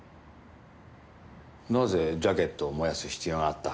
なぜジャケットを燃やす必要があった？